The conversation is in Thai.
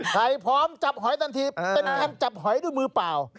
ใครพร้อมจับหอยทันทีเป็นการจับหอยด้วยมือเปล่า